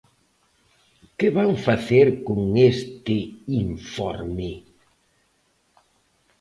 ¿Que van facer con este informe?